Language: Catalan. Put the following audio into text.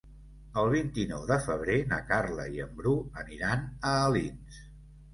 El vint-i-nou de febrer na Carla i en Bru aniran a Alins.